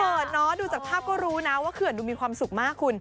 เนอะดูจากภาพก็รู้นะว่าเขื่อนดูมีความสุขมากคุณ